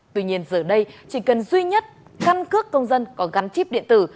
tuy nhiên giờ đây chỉ cần duy nhất căn cước công dân có gắn chip điện tử